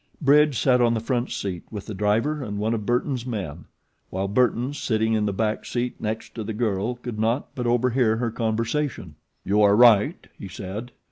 Bridge sat on the front seat with the driver and one of Burton's men, while Burton, sitting in the back seat next to the girl, could not but overhear her conversation. "You are right," he said.